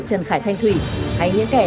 trần khải thanh thủy hay những kẻ